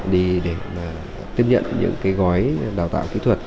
để tiếp nhận những gói đào tạo kỹ thuật